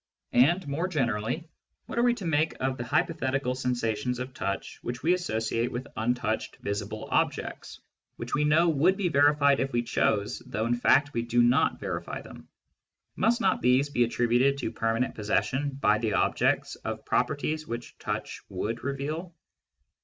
And more generally, what are we to make of the hypothetical sensations of touch which we associate with untouched visible objects, which we know would be verified if we chose, though in fact we do not verify them ? Must not these be attributed to permanent possession, by the objects, of the properties which touch would reveal